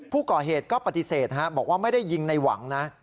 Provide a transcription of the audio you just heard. ผู้ก่อเหตุก็ปฏิเสธบอกว่าไม่ได้ยิงในหวังนะ